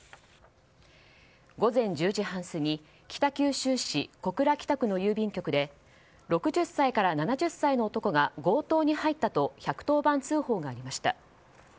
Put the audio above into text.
午前１０時半過ぎ北九州市小倉北区の郵便局で６０歳から７０歳の男が強盗に入ったと１１０番通報がありました。